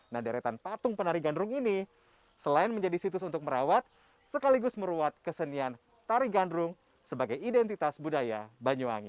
nah deretan patung penari gandrung ini selain menjadi situs untuk merawat sekaligus meruat kesenian tari gandrung sebagai identitas budaya banyuwangi